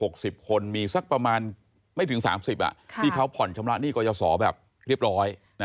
คนมีสักประมาณไม่ถึง๓๐ที่เขาผ่อนชำระหนี้กรยาศรแบบเรียบร้อย